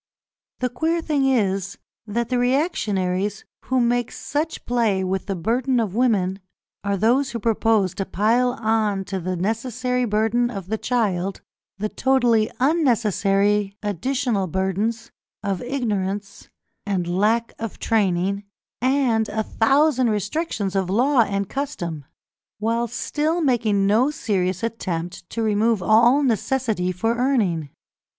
The queer thing is, that the reactionaries who make such play with the burden of woman, are those who propose to pile on to the necessary burden of the child the totally unnecessary additional burdens of ignorance and lack of training, and a thousand restrictions of law and custom, while still making no serious attempt to remove all necessity for earning.